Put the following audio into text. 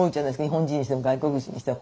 日本人にしても外国人にしても。